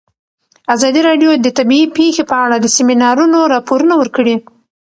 ازادي راډیو د طبیعي پېښې په اړه د سیمینارونو راپورونه ورکړي.